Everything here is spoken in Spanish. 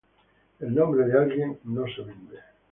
El nombre de alguien no se vende.